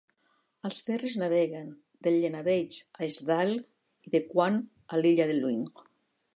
Els ferris naveguen d'Ellenabeich a Easdale, i de Cuan a l'illa de Luing.